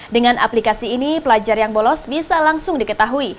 dengan aplikasi ini pelajar yang bolos bisa langsung diketahui